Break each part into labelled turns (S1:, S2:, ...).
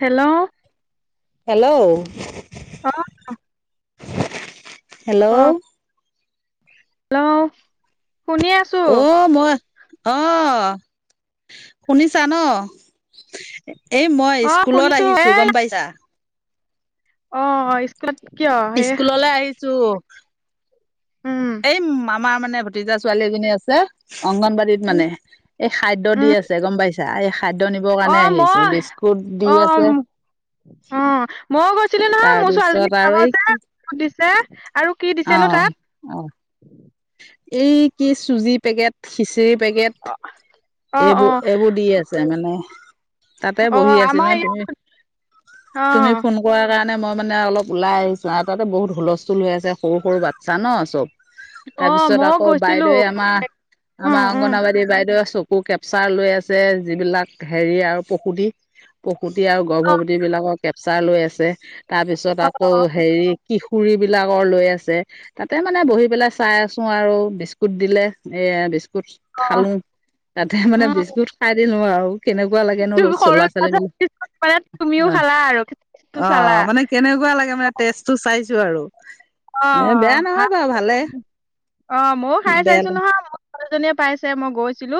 S1: Hello
S2: hello
S1: অ কওক
S2: hello
S1: hello শুনি আছো
S2: অ মই অ শুনিছা ন এই মই
S1: অ
S2: স্কুলত
S1: শুনিছো
S2: আহিছো
S1: এ
S2: গম পাইছা
S1: অ অ স্কুলত কিয় এ
S2: স্কুললৈ আহিছো
S1: উম
S2: এই মামাৰ মানে ভতিজা ছোৱালী এজনী আছে অংগনবাদীত
S1: উম
S2: মানে এই খাদ্য দি
S1: উম
S2: আছে গম পাইছা এই খাদ্য নিবৰ
S1: অ
S2: কাৰণে আহিছো
S1: মই
S2: বিস্কুট দি
S1: অ
S2: আছে
S1: অ ময়ো গৈছিলো নহয় মোৰ
S2: তাৰপিছত
S1: ছোৱালীজনীক
S2: আৰু
S1: চাব
S2: এই
S1: যে
S2: কি
S1: সুধিছে আৰু কি
S2: অ
S1: দিছে নো
S2: অ
S1: তাত
S2: এই কি চুজি পেকেট খিচিৰি
S1: অ
S2: পেকেট
S1: অ
S2: এইবোৰ এইবোৰ দি আছে মানে তাতে
S1: অ
S2: বহি আছিল
S1: আমাৰ
S2: নে
S1: ইয়াত
S2: তুমি
S1: অ
S2: তুমি ফোন কৰা কাৰণ মানে মই মানে অলপ ওলাই আহিছো আৰু তাতে বহুত হুলস্থুল হৈ আছে সৰু সৰু বাচ্ছা ন চব
S1: অ
S2: তাৰপিছত
S1: মইও
S2: আকৌ
S1: গৈছিলো
S2: বাইদেৱে আমাৰ
S1: উম
S2: আমাৰ
S1: উম
S2: অংগনবাদী বাইদেউ আছো কো কেপচাৰ লৈ আছে যিবিলাক হেৰি আৰু পসুধী সুটি আৰু
S1: অ
S2: গৰ্ভৱতীবিলাকৰ কেপচাৰ লৈ আছে তাৰপিছত
S1: অ
S2: আকৌ হেৰি কি খুুৰী বিলাকৰ লৈ আছে তাতে মানে বহি পেলাই চাই আছো আৰু বিস্কুট দিলে এ বিস্কুট বিস্কুট
S1: অ
S2: খালো তাতে মানে
S1: উম
S2: বিস্কুট খাই দিলো আৰু কেনেকুৱা লাগে ন
S1: তুমি সৰু
S2: চ'ৰা ছোৱালী বিলাক
S1: মানে তুমিও
S2: অ
S1: খালা আৰু
S2: অ
S1: চালা
S2: মানে কেনেকুৱা লাগে মানে তেজটো চাই
S1: অ
S2: বাৰু ভালে
S1: অ ময়ো খাই
S2: বেয়া
S1: চাইছো নহয় মোৰ ছোৱালীজনীয়ে পাইছে মই গৈছিলো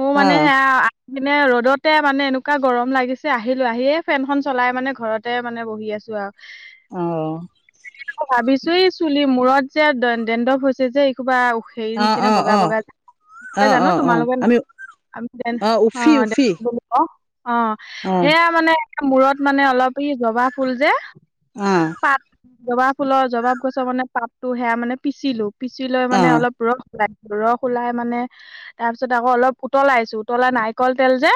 S1: মোৰ
S2: অ
S1: মানে সেয়া পিনে ৰ'দতে মানে এনেকুৱা গৰম লাগিছে আহিলো আহিয়ে ফেনখনন চলাই মানে ঘৰতে মানে বহি আছো যোৱা
S2: অহ
S1: ভাবিছো ই চুলিৰ মূৰত যে দেণ্ডপ হৈছে যে এই কোবা হেৰি
S2: অ
S1: নিচিনা
S2: অ
S1: বগা
S2: অ
S1: বগা যে মই
S2: অ
S1: জানো
S2: অ অ
S1: তোমালোকে
S2: আমি
S1: আমি দে অ
S2: উফি
S1: দে
S2: উফি
S1: অহ
S2: অ
S1: সেয়া মানে মূৰত মানে অলপ ই জবা ফুল যে
S2: অহ
S1: পাত জবা ফুলৰ জবা গছৰ মানে পাতটো সেয়া মানে পিচিলো পিচি লৈ
S2: অ
S1: মানে অলপ ৰস ৰস ওলাই মানে তাৰপিছত আকৌ অলপ উতলাই আছো উতলা নাৰিকল তেল যে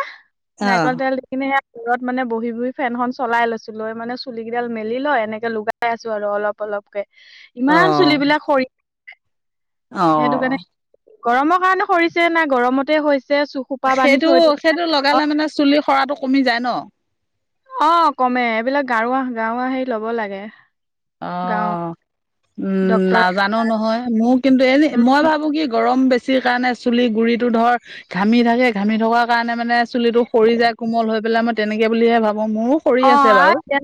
S2: অ
S1: নাৰিকল তেল দেকিনে সেয়া ঘৰত মানে বহি বহি ফেনখন চলাই লৈছো লৈ মানে চুলি কেইডাল মেলি লয় এনেকে লগাই আছো আৰু অলপ অলপকে ইমান চুলিবিলাক সৰি সেইটো কাৰণে
S2: অহ
S1: গৰমৰ কাৰণে সৰিছে না গৰমতে হৈছে চুখোপা বান্ধি
S2: সেইটো
S1: থৈ দিওঁ
S2: সেইটো লগালে মানে চুলি সৰাটো কমি যায় ন
S1: অহ কমে এইবিলাক ঘৰুৱা ঘৰুৱা হেৰি লব লাগে গাঁও
S2: অহ উম
S1: ডক্তৰ
S2: নাজানো নহয় মোৰ
S1: উম
S2: কিন্তু এ যে মই ভাবো কি গৰম বেছি ওফিৰ কাৰণে চুলি গুৰিটো ধৰ ঘামি থাকে ঘামি থকা কাৰণে মানে চুলিটো সৰি যায় কোমল হৈ পেলাই মই তেনেকে বুলিহে ভাবো মোৰো সৰি
S1: অহ
S2: আছে বাৰু
S1: আৰু দে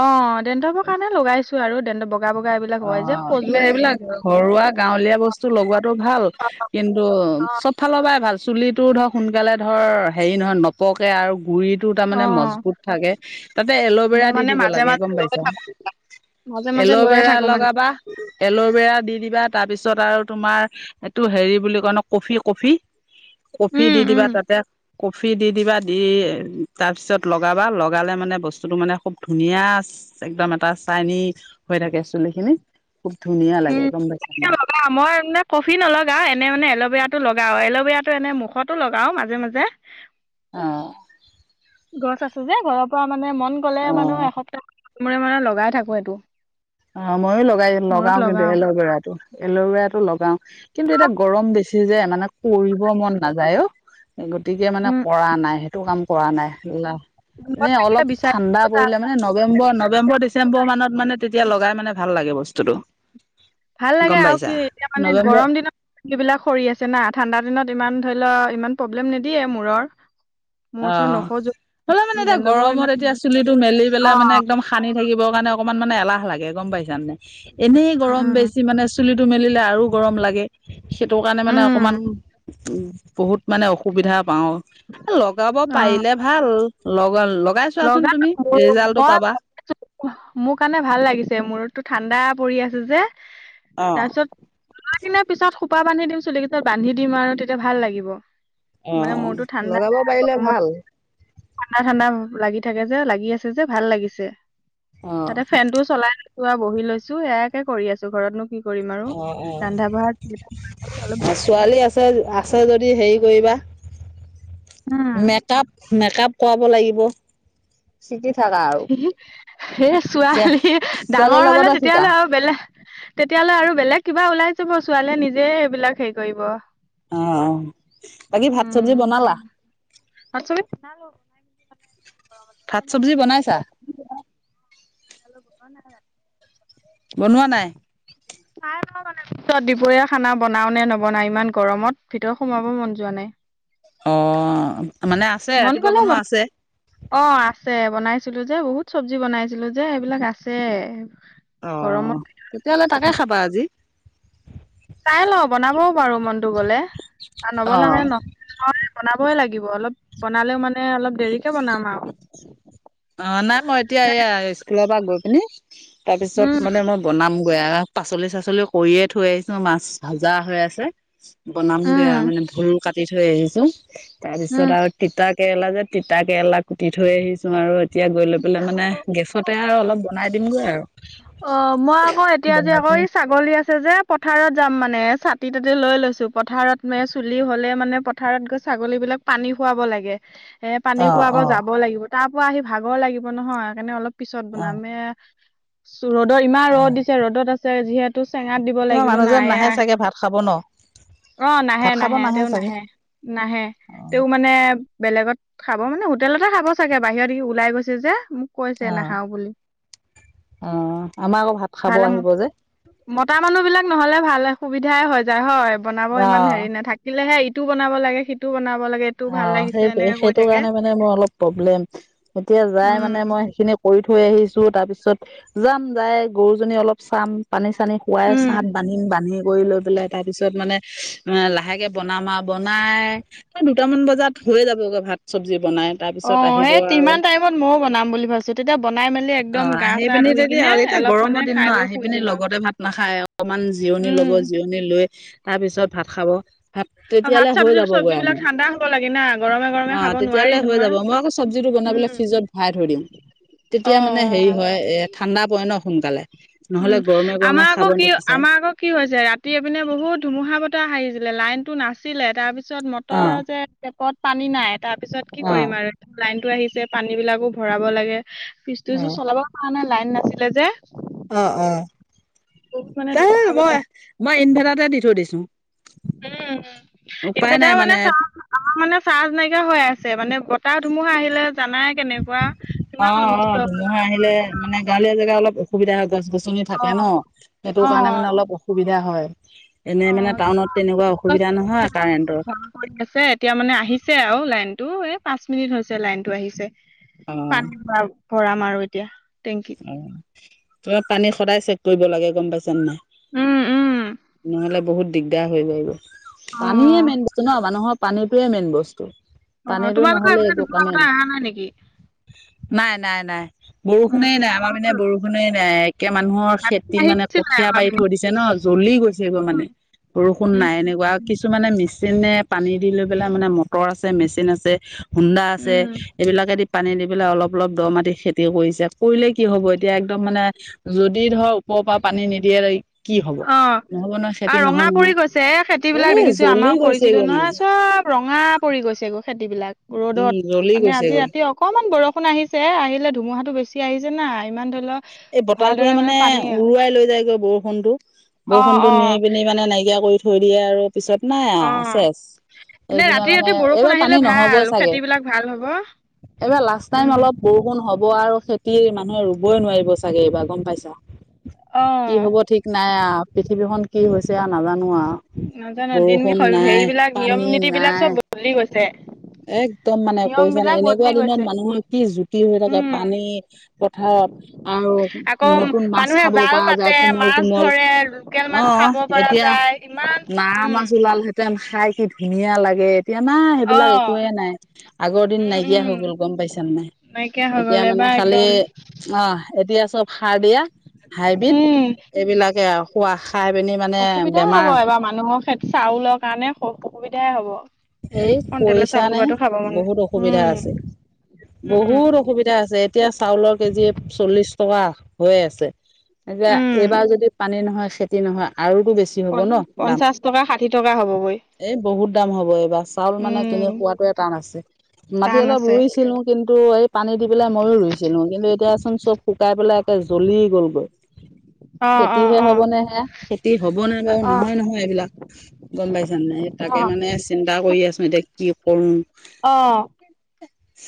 S1: অহ দেণ্ডৱৰ কাৰণে লগাইছো আৰু দেণ্ডব
S2: অক্ষ, এইবিলাক ঘৰুৱা গাঁৱলীয়া বস্তু লগোৱাটো ভাল।
S1: অ
S2: কিন্তু,
S1: অ
S2: চবফালৰ পৰাই ভাল। চুলিটো ধৰ সোনকালে ধৰ হেৰি নহয় নপকে আৰু গুৰিতটো
S1: অ
S2: তাৰমানে মজবুত থাকে তাতে
S1: মই
S2: এল'ভেৰা দি
S1: মানে
S2: দিব
S1: মাজে
S2: লাগে
S1: মাজে
S2: গম
S1: লৈ
S2: পাইছা।
S1: থাকো মাজে মাজে লৈয়ে
S2: এল'ভেৰা
S1: থাকো। মানে
S2: লগাবা এলবেৰা দি কিবা তাৰ পিছত আৰু তোমাৰ এইটো হেৰি বুলি কয় ন কফি কফি। কফি
S1: উম
S2: দি দিবা
S1: উম
S2: তাতে। কফি দি দিবা দি তাৰপিছত লগাবা। লগালে মানে বস্তুতটো মানে খুব ধুনীয়া আছে। একদম এটা চাইনি হৈ থাকে চুলি খিনি।
S1: উমকেতিযা বা লগাও মই মেন কফি নলগা এনে মানে এল'ভেৰা টো লগাও এল'ভেৰা টো এনে মুখতো লগাও মাজে-মাজে।
S2: অহঁ।
S1: গছ আছে যে ঘৰৰ পৰা মানে মন গ'লে
S2: অ
S1: মানে এসপ্তাহ মৰে মানে লগাই থাকো এইটো।
S2: অহ, মইয়ো লগাই লগাও কিন্তু এল'ভেৰাটো এল'ভেৰাটো লগাও কিন্তু এতিয়া গৰম বেছি। ই যে, মানে কৰিব মন নাযায়ও গতিকে মানে
S1: উম
S2: কৰা নাই সেই। টো কাম কৰা নাই।
S1: মূৰত
S2: এনে
S1: থাকিলে
S2: অলপ ঠাণ্ডা পৰিলে মানে
S1: বিচাৰি
S2: নৱেম্বৰ নৱেম্বৰ ডিচেম্বৰ মানত মানে তেতিয়া লগাই মানে ভাল লাগে বস্তুতটো।
S1: ভাল লাগে আৰু কি এতিয়া মানে গৰম দিনত বিলাক সৰি আছে না ঠাণ্ডা দিনত ইমান ধৰি লোৱা ইমান প্ৰব্লেম নিদিয়ে মূৰৰ। মূৰ চুৰ
S2: অহ,
S1: নখজো
S2: হলে মানে এতিয়া
S1: ডেণ্ডবৰ
S2: গৰমত
S1: ইমান
S2: এতিয়া চুলিটো মেলি
S1: অ
S2: পেলাই মানে একদম সানি থাকিব সেইকাৰণে মানে এলাহ লাগে গম পাইছা। এনেই গৰম
S1: উম
S2: বেছি মানে চুলি তোৰ মেলিলে আৰু গৰম লাগে সেইটো কাৰণে মানে অকমান
S1: উম
S2: উম বহুত মানে অসুবিধা পাওঁ লগাব
S1: অ
S2: পাৰিলে ভাল। লগ লগাই চোৱাচোন
S1: লগা
S2: তুমি
S1: মই
S2: ৰিজাল্টটো পাবা
S1: মোৰ কাৰণে ভাল লাগিছে মূৰতো ঠাণ্ডা পৰি আছে যে,
S2: অ
S1: তাৰপিছত পিছত কোপা বান্ধি দিম চুলি কেইটাত বান্ধি দিম আৰু তেতিয়া ভাল লাগিব।
S2: অ
S1: মানে মোৰতো ঠাণ্ডা
S2: লগাব পাৰিলে
S1: গৰমত
S2: ভাল
S1: ঠাণ্ডা- ঠাণ্ডা লাগি থাকে যে লাগি আছে যে ভাল লাগিছে
S2: অ
S1: তাতে ফেনটোও চলাই। পোৰা বহি লৈছো এয়া কে কৰি আছো ঘৰতনো কি কৰিম আৰু
S2: অ,
S1: ৰন্ধা বঢ়া অলপ
S2: অ ছোৱালী আছে। আ যদি হেৰি কৰিবা।
S1: উম
S2: মেকপ মেকপ কৰাব লাগিব চিট।
S1: স ছোৱালী
S2: ছোৱালীৰ
S1: ডাঙৰ হলে
S2: লগতে শিকা।
S1: তেতিয়াহ'লে আৰু বেলেগ তেতিয়াহ'লে আৰু বেলেগ কিবা ওলাই যাব ছোৱালীয়ে নিজে এইবিলাক হেৰি কৰিব।
S2: আহ বাকী ভাত চব্জি বনালা?
S1: মে
S2: ভাত
S1: মানে
S2: চব্জি বনাইছা?
S1: অসমীয়া। ন
S2: বনোৱা নাই।
S1: মানে পিছত দুপৰীয়া খানা বনাও নে নবনাাই ইমান গৰমত ভিতৰত সোমাব মন যোৱা নাই। নে।
S2: অ, মানে আছে
S1: মন
S2: ৰাতিপুৱা
S1: গ'লে বনাম
S2: বনোৱা আছে।
S1: অ, আছে বনাইছিলো যে বহুত চব্জি বনাইছিলো যে, এইবিলাক আছে।
S2: অ',
S1: গৰমত
S2: তেতিয়াহ'লে তাকে
S1: খাব-
S2: খাবা আজি।
S1: চাই লও বনাবও পাৰো মনটো গলে, আৰু নবলালে
S2: অ'
S1: [unintelligible] বনাবই লাগিব। অলপ বনালেও মানে অলপ দেৰিকে বনাম আৰু।
S2: অ', নাই মই এতিয়া এই স্কুলৰ পৰা গৈ পিনি, তাৰ পিছত
S1: উম
S2: মানে মই বনাম [unintelligible] পাচলি-চাচলি কৰিয়ে থৈ আহিছো মাছ ভাজা হৈ আছে। বনাম
S1: উম
S2: বেয়া মানে ভোল কাটি থৈ আহিছো, তাৰপিছত
S1: উম
S2: আৰু তিতাক কেৰেলা যে তিতা কেৰেলা কুটি থৈ আহিছো আৰু এতিয়া গৈ লৈ পেলাই মানে গেছতে আৰু অলপ বনাই দিমগৈ আৰু।
S1: অ মই আকৌ এতিয়া যে আকৌ
S2: পিনি
S1: ছাগলী আছে যে পথাৰত যাম মানে ছাতি তাতে লৈ লৈছো পথাৰত মে চুলি হলে মানে পথাৰত গৈ ছাগলী বিলাক পানী খুৱাব লাগে এ পানী
S2: অ
S1: খুৱাব
S2: অ
S1: যাব লাগিব তাৰ পৰা আহি ভাগৰ লাগিব নহয় সেকাৰণে অলপ পিছত
S2: অ অ
S1: বনামে। ৰ'দত ইমান ৰ'দ দিছে ৰ'দত আছে যিহেতু চেঙাত দিব
S2: তোমাৰ
S1: লাগিব
S2: মানুহজন
S1: নাই আ
S2: নাহে চাগে ভাত খাব ন
S1: অ', নাহে,
S2: ভাত খাব
S1: নাহে তেওঁ
S2: চাগে
S1: নাহে, নাহে।
S2: অ
S1: তেও মানে বেলেগত খাব মানে হোটেলতে খাব চাগে বাহিৰত ই উলাই গৈছে যে। কৈছে নাখাওঁ বুলি
S2: অ আমাৰ আকৌ ভাত খাব
S1: ভালে,
S2: আহিব যে
S1: মতা মানুহ বিলাক নহলে ভালে সুবিধাই হৈ যায় হয় বনাব ইমান
S2: অ
S1: হেৰি নাই থাকিলেহে ইটো বনাব লাগে সিটো বনা
S2: অ', সেইটোৱে সেইটো কাৰণে মানে মোৰ অলপ প্ৰব্লেম। এতিয়া যাই মানে
S1: উম
S2: মই সেইখিনি কৰি থ থৈ আহিছো তাৰপিছত, যাম যাই গৰুজনী অলপ চাম, পানী পানী খুৱাই
S1: উম
S2: চাম বান্ধিম বান্ধি কৰি লৈ পেলাই তাৰ পিছত মানে এ লাহেকে বনাম আৰু বনাই দুটামান বজাত হৈয়ে যাবগে ভাত চব্জি। বনাই তাৰ পিছত
S1: অ',
S2: আহিব
S1: সেই
S2: আৰু
S1: তিমান টাইমত মইও বনাম বুলি ভাবিছো তেতিয়া বনাই মেলি একদম
S2: অ',
S1: গা
S2: আহি
S1: চা
S2: পিনি
S1: ধুই
S2: [unintelligible]
S1: কিনে
S2: এতিয়া
S1: অলপ মানে
S2: গৰমৰ দিন ন
S1: খাই বৈ
S2: আহি
S1: শুই
S2: পিনি
S1: দিম আৰু
S2: লগতে ভাত না খাই অকমান জিৰণি লব
S1: উম
S2: জিৰণি লৈ, তাৰ পিছত ভাত খাব। ভাত
S1: আৰু ভাত
S2: তেতিয়ালৈ হৈ
S1: চব্জি
S2: যাবগৈ
S1: চব্জিবিলাক
S2: আমাৰ
S1: ঠাণ্ডা হ'ব লাগে না গৰমে গৰমে
S2: অ',
S1: খাব নোৱাৰি
S2: তেতিয়ালৈ হৈ যাব
S1: নহয়
S2: মই আকৌ চব্জিটো বনাই পেলে
S1: উম
S2: ফ্ৰিজত ভৰাই থৈ দিম,
S1: অ
S2: তেতিয়া মানে হেৰি হয় এ ঠাণ্ডা পৰে ন সোনকালে। নহ'লে
S1: উম
S2: গৰমে গৰমে
S1: আমাৰ আকৌ
S2: খাব
S1: কি
S2: নিবিচাৰে
S1: আমাৰ আকৌ কি হৈছে ৰাতি এপিনে বহুত ধুমুহা বতৰা আহিছিলে লাইন টো নাছিলে তাৰপিছত মটৰৰ
S2: অ',
S1: যে টেপত পানী নাই তাৰপিছত কি
S2: অ',
S1: কৰিম আৰু লাইন টো আহিছে পানী বিলাকো ভৰাব লাগে ফ্ৰিজট [unintelligible] ো
S2: অ'।
S1: চলাব পৰা নাই লাইন নাছিলে যে।
S2: অ', অ,
S1: বহুত মানে
S2: তেই
S1: ধুমুহা বতাহ
S2: মই-মই ইনভাৰ্টাটো দি থৈ দিছো।
S1: উম,
S2: উপায়
S1: ইনভেটাৰ
S2: নাই
S1: মানে আমাৰ মানে চাৰ্জ নাইকিয়া হৈ আছে মানে বতাহ ধুমুহা আহিলে জানাই কেনেকুৱা, কিমান
S2: অ', অ',
S1: অনিষ্ট
S2: ধুমুহা আহিলে মানে
S1: [unintelligible]
S2: গাঁৱলীয়া জেগা অলপ অসুবিধা হয় গছ গছনি থাকে ন,
S1: অ
S2: সেইটো
S1: অ,
S2: কাৰণে মানে অলপ অসুবিধা হয়। এনেই
S1: অ,
S2: মানে টাউনত তেনেকুৱা
S1: গছ
S2: অসুবিধা
S1: গছ
S2: নহয় কাৰেণ্টৰ।
S1: বন্ধ কৰি আছে এতিয়া মানে আহিছে আৰু লাইন। টো এ পাঁচ মিনিট হৈছে লাইনটো আহিছে,
S2: অ',
S1: পানী ভ ভৰাম আৰু এতিয়া। টেংকিত।
S2: [unintelligible] সদায় চেক কৰিব লাগে গম পাইচা নে নাই,
S1: উম, উম।
S2: নহলে বহুত দিগদাৰ হৈ গৈ গৈ।
S1: অ,
S2: পানীয়ে মেইন বস্তু ন মানুহৰ পানীটোয়ে মেইন বস্তু।
S1: অ,
S2: পানীটো
S1: তোমালোকৰ
S2: নহলে
S1: এইফালে
S2: একো
S1: দুখুৱা
S2: কামেই,
S1: বতাহ অহা নাই নেকি?
S2: নাই, নাই, নাই। ষুণে নাই আমাৰ পিনে
S1: উম,
S2: বৰষুণে নাই। একে মানুহৰ
S1: ৰাতি
S2: খেতি মানে
S1: আহিছিলে
S2: কঠীয়া
S1: আমাৰ
S2: পাৰি
S1: পিনে।
S2: থৈ দিছে ন জ্বলি গৈছেগৈ মানে। বৰষুণ
S1: উম, উম।
S2: নাই এনেকুৱা কিছুমানে মিছ চিনে পানী দি লৈ পেলাই মানে মটৰ আছে, মেচিন আছে, হোন্দা আছে
S1: উম
S2: এইবিলাকে দি পানী দি পেলাই অলপ অলপ দ' মাটি খেতি কৰিছে। কৰিলে কি হব এতিয়া একদম মানে যদি ধৰ ওপৰৰ পৰা পানী নিদিয়ে। কি হ'ব
S1: অ।
S2: নহব ন।
S1: আৰু ৰঙা পৰি গৈছে এ খেতি বিলাক দেখিছো
S2: জ্বলি
S1: আমাৰ কৰিছিলো
S2: গৈছেগৈ মানে
S1: নহয় চব ৰঙা পৰি গৈছে গ খেতি বিলাক।
S2: উম
S1: ৰ'দত
S2: জ্বলি
S1: মানে আজি
S2: গৈছেগৈ
S1: ৰাতি অকমান বৰষুণ আহিছে আহিলে ধুমুহাটো বেছি আহিছে না ইমান। ধৰি লওক
S2: এই বতাহটোৱে
S1: ভালদৰে
S2: মানে
S1: পানী
S2: উৰুৱাই লৈ যায়গৈ বৰষুণটো।
S1: অ
S2: বৰষুণটো
S1: অ
S2: নি পিনি মানে নাইকিয়া কৰি থৈ দিয়ে আৰু পিছত নাই
S1: অ
S2: আও চেচ।
S1: এনে
S2: এইপিনে
S1: ৰাতি
S2: মানে
S1: ৰাতি বৰষুণ
S2: এইবাৰ পানী
S1: আহিলে ভাল
S2: নহবই চাগে।
S1: খেতি বিলাক ভাল হব
S2: এইবাৰ লাষ্ট টাইম
S1: উম
S2: অলপ বৰষুণ হ'ব। ব আৰু খেতি মানুহে ৰুবই নোৱাৰিব চাগে এইবাৰ গম পাইছ।
S1: অ
S2: কি হব ঠিক নাই আ পৃথিৱীখন কি হৈছে নাজানো আৰু
S1: নাজানো দিন
S2: বৰষুণ নাই
S1: হেৰিবিলাক নিয়ম
S2: পানী
S1: নীতি বিলাক চব
S2: নাই।
S1: বদলি গৈছে
S2: একদম মানে
S1: নিয়ম
S2: কৈছা নে
S1: বিলাক
S2: এনেকুৱা
S1: বদলি
S2: দিনত
S1: গৈছে
S2: মানুহৰ কি জুতি হৈ থাকে
S1: উম
S2: পানী। [unintelligible] আৰু
S1: আকৌ
S2: নতুন মাছ
S1: মানুহে
S2: খাব
S1: জাল
S2: পৰা
S1: পাতে
S2: যায় কোমল
S1: মাছ
S2: কোমল
S1: ধৰে লোকেল
S2: অ
S1: মাছ খাব পৰা
S2: এতিয়া।
S1: যায় ইমান
S2: না
S1: উম
S2: মাছ ওলাল হেঁতেন খাই কি ধুনীয়া লাগে এতিয়া না
S1: অ
S2: সেইবিলাক একোয়ে নাই, আগৰ দিন
S1: উম
S2: নাইকিয়া
S1: উম
S2: হৈ গ'ল গম পাইছানে নাই?
S1: নাইকিয়া হৈ
S2: এতিয়া
S1: গ'ল
S2: মানে
S1: এবাৰ
S2: খালি,
S1: একদম
S2: অ', এতিয়া সব সাৰ দিয়া। হাইব্ৰীড,
S1: উম
S2: এইবিলাকে আউ খোৱা খাই পিনি মানে
S1: অসুবিধাই হ'ব
S2: বেমাৰ
S1: এবাৰ মানুহৰ খে চাউলৰ কাৰণে স অসুবিধাই হ'ব।
S2: এই
S1: কণটলৰ চাউল
S2: কৰিছানে
S1: সোপাটো খাব মানে
S2: বহুত অসুবিধা
S1: উম
S2: আছে।
S1: উম
S2: বহুত অসুবিধা আছে এতিয়া চাউলৰ কেজি চল্লিশ টকা হৈ আছে। এয়া
S1: উম
S2: এইবাৰ যদি পানী নহয় খেতি নহয় আৰু বেছি
S1: প
S2: হ'ব ন দাম
S1: পঞ্চাশ টকা ষাঠি টকা হ'বগৈ
S2: এই বহুত দাম হ'ব। কিবা চাউল মানে
S1: উম
S2: কিনি খোৱাাটোৱে টান আছে। মাটি
S1: টান
S2: অলপ
S1: আছে
S2: ৰুইছিলো কিন্তু এই পানী দি পেলাই মইো ৰুইছিলো কিন্তু এতিয়াচোন চব। শুকাই পেলাই একে জ্বলি গ'লগৈ।
S1: অ অ
S2: খেতিহে
S1: অ
S2: হব নে সেয়া খেতি হব নাই বাৰু
S1: অ
S2: নহয় নহয় এইবিলাক গম পাইছা নে তাক
S1: অ
S2: তাকে মানে চিন্তা কৰি আছোঁ এতিয়া কি কৰোঁ।
S1: অ।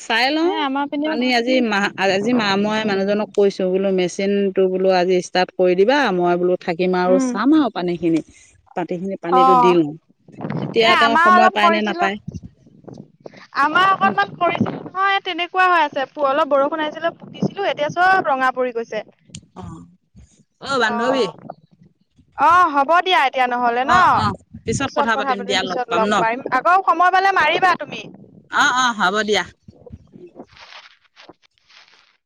S2: চাই
S1: সেই
S2: লওঁ।
S1: আমাৰ পিনেও
S2: পানী আজি মাহ আজি মা মই মানুহজনক কৈছো বোলো মেচিনটো বোলো আজি ষ্টাৰ্ট কৰি দিবা মই বোলো থাকিম আৰু
S1: উম
S2: চাম আৰু পানীখিনি। পাতি খিনি পানীতো
S1: অ
S2: দি লওঁ এতিয়া
S1: এ
S2: তেওঁ।
S1: আমাৰ
S2: সময়
S1: অলপ
S2: পায় নে
S1: কৰিছিলো
S2: নাপায়
S1: আমাৰ অকনমান কৰিছিল। অ তেনেকুৱা হৈ আছে অলপ বৰষুণ আছিলে পুতিছিলো এতিয়া চব ৰঙা পৰি গৈছে।
S2: অ অ বান্ধৱী
S1: অ হ'ব দিয়া তেতিয়া নহলে ন
S2: অ অ
S1: পিছত কথা পাতিম
S2: দিয়া
S1: পিছত
S2: পাম
S1: লগ
S2: ন
S1: পাৰিম আকৌ সময় পালে মাৰিবা তুমি।
S2: অ অ হ'ব দিয়া।
S1: [unintelligible]